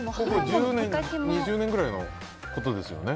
１０年２０年ぐらいのことですよね？